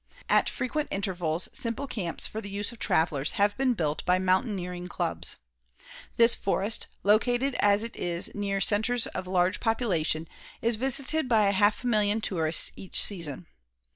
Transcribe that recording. At frequent intervals simple camps for the use of travelers have been built by mountaineering clubs. This forest, located as it is near centres of large population is visited by a half million tourists each season.